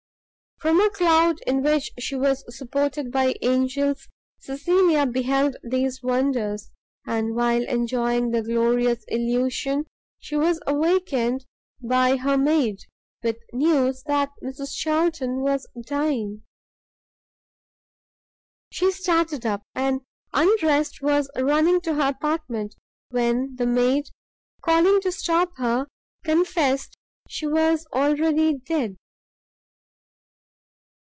From a cloud in which she was supported by angels, Cecilia beheld these wonders, and while enjoying the glorious illusion, she was awakened by her maid, with news that Mrs Charlton was dying! She started up, and, undressed, was running to her apartment, when the maid, calling to stop her, confessed she was already dead!